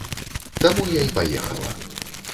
Таму я і паехала.